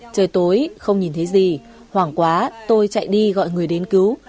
trời tối không nhìn thấy gì hoảng quá tôi chạy đi gọi người đến cứu